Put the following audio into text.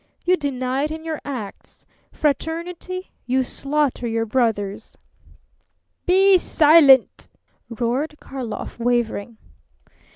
You deny it in your acts. Fraternity? You slaughter your brothers." "Be silent!" roared Karlov, wavering.